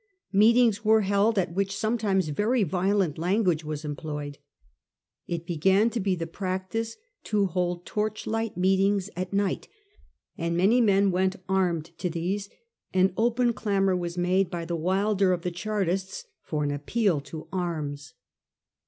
Meetings were held at which sometimes very violent language was employed. It began to be the practice to hold torchlight meetings at night, and many men went armed to these, and open clamour was made by the wilder of the Chartists for an appeal to arms.